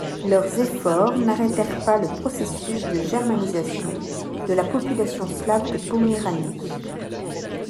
Leurs efforts n'arrêtèrent pas le processus de germanisation de la population slave de Poméranie.